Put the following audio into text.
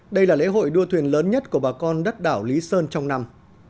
đây là lễ hội đua thuyền lớn nhất của bà con đất đảo lý sơn trong năm